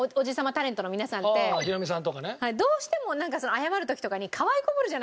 どうしても謝る時とかにかわい子ぶるじゃないですか。